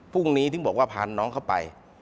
พรุ่งนี้ถึงบอกว่าพาน้องเข้าไป